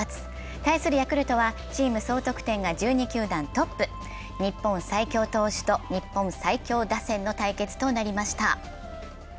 対するヤクルトはチーム総得点が１２球団トップ、日本最強投手と日本最強打線の対決となりました。